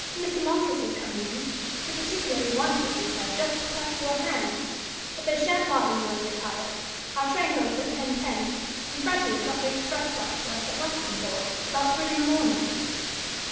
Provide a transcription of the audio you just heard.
And Mr. Montresor's coming in. He particularly wanted, he said, just to press your hand. But they sha'n't bother you if you're tired. Our train goes at 10.10, and Freddie has got the express stopped for us at Westonport about three in the morning."